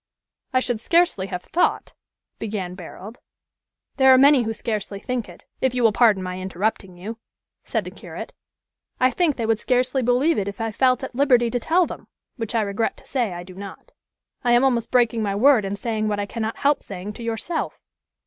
"I should scarcely have thought" began Barold. "There are many who scarcely think it, if you will pardon my interrupting you," said the curate. "I think they would scarcely believe it if I felt at liberty to tell them, which I regret to say I do not. I am almost breaking my word in saying what I cannot help saying to yourself.